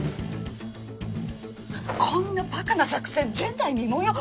こんなバカな作戦前代未聞よ！？